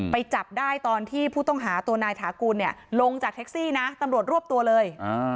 ไปจับได้ตอนที่ผู้ต้องหาตัวนายถากูลเนี่ยลงจากแท็กซี่นะตำรวจรวบตัวเลย